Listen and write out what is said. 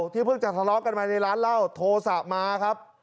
ที่เพิ่งจะทะเลาะกันมาในร้านเล่าโทสะมาครับ